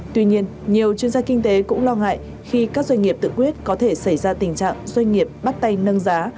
tuy nhiên nhiều chuyên gia kinh tế cũng lo ngại khi các doanh nghiệp tự quyết có thể xảy ra tình trạng doanh nghiệp bắt tay nâng giá